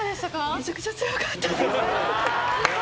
めちゃくちゃ強かったです。